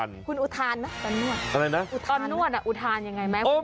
แล้วคุณอุทานไหมก่อนนวด